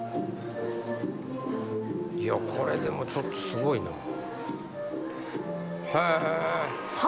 これでもちょっとすごいな。